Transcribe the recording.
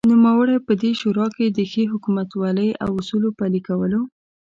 نوموړی په دې شورا کې دښې حکومتولۍ او اصولو پلې کولو